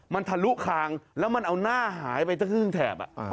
มันทะลุคางแล้วมันเอาหน้าหายไปเต็มซึ่งแถบอ่ะอ๋อ